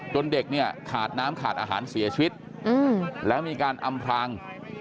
เด็กเนี่ยขาดน้ำขาดอาหารเสียชีวิตแล้วมีการอำพราง